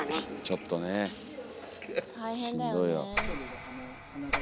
ちょっとねしんどいよ。